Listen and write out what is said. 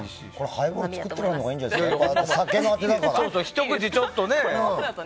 ハイボール作ってからのほうがいいんじゃないですか？